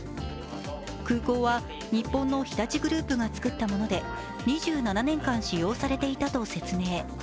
空港は日本の日立グループがつくったもので２７年間使用されていたと説明。